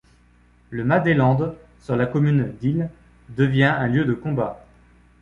Le Mas des Landes, sur la commune d'Isle, devient un lieu de combat.